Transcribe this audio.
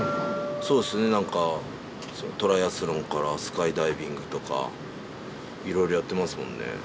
そうですね、なんか、トライアスロンからスカイダイビングとか、いろいろやってますもんね。